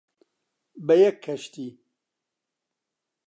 بە یەک کەشتی،